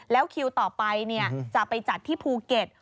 แล้วคิวต่อไปจะไปจัดที่ภูเก็ต